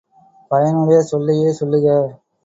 பயனுடைய சொல்லையே சொல்லுக!